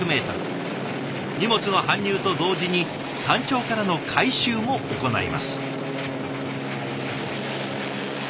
荷物の搬入と同時に山頂からの回収も行います。